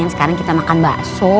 sekarang kita makan bakso